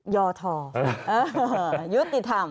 ยทยุติธรรม